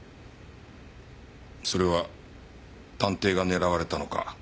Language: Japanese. それは探偵が狙われたのか？